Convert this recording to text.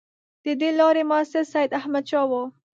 د دې لارې مؤسس سیداحمدشاه وو.